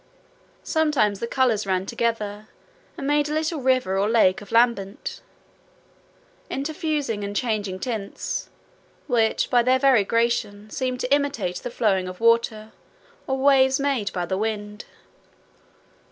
Sometimes the colours ran together, and made a little river or lake of lambent, interfusing, and changing tints, which, by their variegation, seemed to imitate the flowing of water, or waves made by the wind.